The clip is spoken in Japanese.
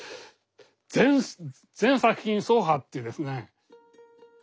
全作品走破っていうですね。